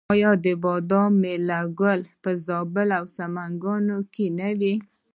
آیا د بادام ګل میله په زابل او سمنګان کې نه وي؟